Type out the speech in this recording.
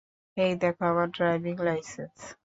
এই দেখো আমার ড্রাইভিং লাইসেন্স।